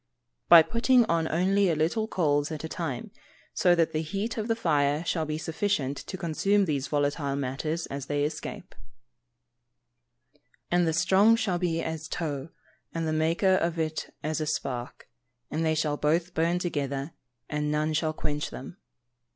_ By putting on only a little coals at a time, so that the heat of the fire shall be sufficient to consume these volatile matters as they escape. [Verse: "And the strong shall be as tow, and the maker of it as a spark, and they shall both burn together, and none shall quench them."